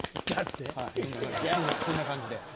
そんな感じで。